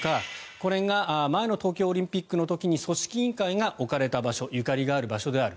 これが前の東京オリンピックの時に組織委員会が置かれた場所ゆかりがある場所である。